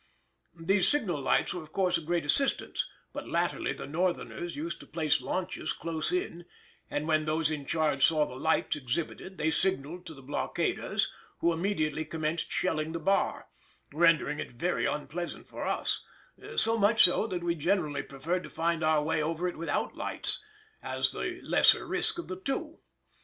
These signal lights were of course a great assistance, but latterly the Northerners used to place launches close in, and when those in charge saw the lights exhibited they signalled to the blockaders, who immediately commenced shelling the bar, rendering it very unpleasant for us; so much so that we generally preferred to find our way over it without lights, as the lesser risk of the two.